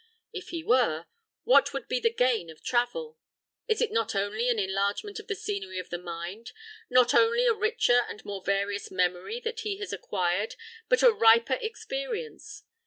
If he were, what would be the gain of travel? It is not only an enlargement of the scenery of the mind, not only a richer and more various memory that he has acquired, but a riper experience.